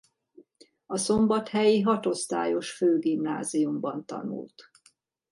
A szombathelyi hatosztályos főgimnáziumban tanult.